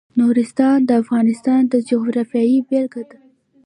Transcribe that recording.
نورستان د افغانستان د جغرافیې بېلګه ده.